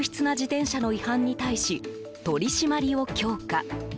悪質な自転車の違反に対し取り締まりを強化。